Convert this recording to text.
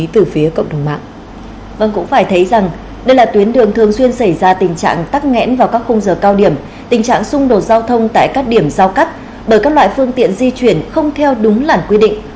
tình trạng xung đột giao thông tại các điểm giao cắt bởi các loại phương tiện di chuyển không theo đúng làn quy định